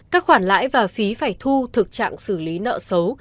các khoản lãi và phí phải thu thực trạng xử lý nợ xấu